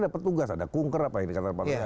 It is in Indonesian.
dapat tugas ada kunker apa ini kata pak prasetya